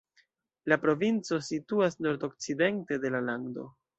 La provinco situas nordokcidente de la lando.